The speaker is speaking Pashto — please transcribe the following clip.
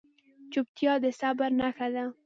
چپتیا، د صبر نښه ده.